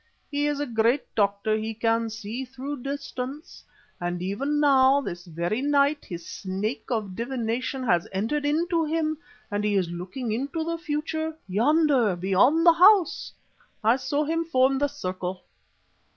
He is a great doctor, he can see through distance, and even now, this very night his Snake of divination has entered into him and he is looking into the future, yonder, behind the house. I saw him form the circle."